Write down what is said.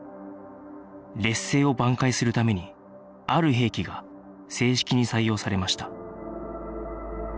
劣勢を挽回するためにある兵器が正式に採用されました